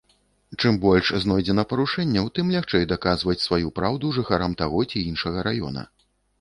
Чым больш знойдзена парушэнняў, тым лягчэй даказваць сваю праўду жыхарам таго ці іншага раёна.